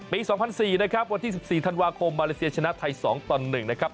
ปี๒๐๔๐วันที่๑๔ทันวาคมมาเลเซียชนะไทย๒ต่อ๑นะครับ